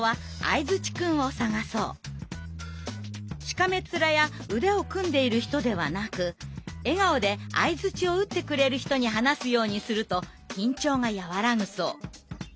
しかめっ面や腕を組んでいる人ではなく笑顔で相づちを打ってくれる人に話すようにすると緊張が和らぐそう。